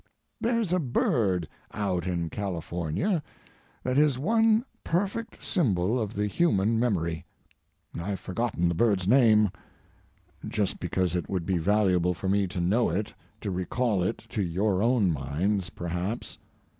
There's a bird out in California that is one perfect symbol of the human memory. I've forgotten the bird's name (just because it would be valuable for me to know it—to recall it to your own minds, perhaps).